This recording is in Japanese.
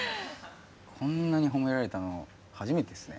こんなに褒められたの初めてですね。